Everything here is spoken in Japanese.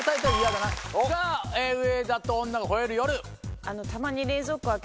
ピンポン『上田と女が吠える夜』。